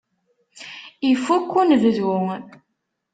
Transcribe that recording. Ifukk unebdu.